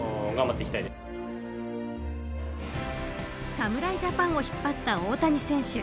侍ジャパンを引っ張った大谷選手。